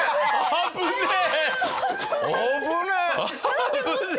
危ねえ！